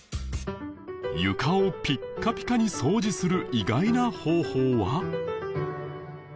床をピッカピカに掃除する意外な方法は？